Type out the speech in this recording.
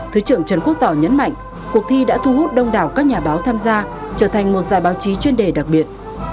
thứ trưởng trần quốc tỏ nhấn mạnh cuộc thi đã thu hút đông đảo các nhà báo tham gia trở thành một giải báo chí chuyên đề đặc biệt